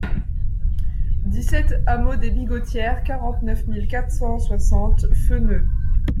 dix-sept hameau des Bigottières, quarante-neuf mille quatre cent soixante Feneu